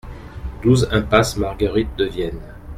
douze impasse Marguerite de Vienne